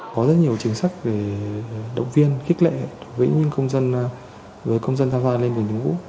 có rất nhiều chính sách để động viên khích lệ với công dân tham gia lên quân ngũ